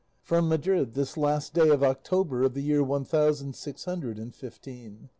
From Madrid, this last day of October of the year one thousand six hundred and fifteen.